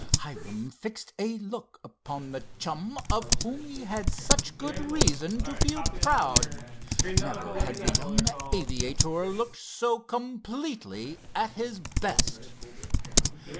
Hiram fixed a look upon the chum of whom he had such good reason to feel proud. Never had the young aviator looked so completely at his best.